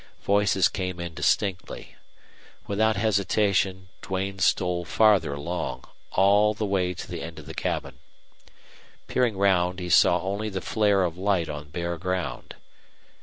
Voices came indistinctly. Without hesitation Duane stole farther along all the way to the end of the cabin. Peeping round, he saw only the flare of light on bare ground.